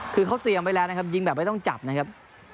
คือเขาเตรียมไว้แล้วนะครับยิงแบบไม่ต้องจับนะครับ